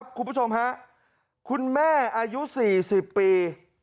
ครับคุณผู้ชมครับคุณแม่อายุ๔๐ปี